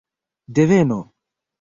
deveno